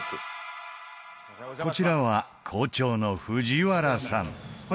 こちらは校長の藤原さん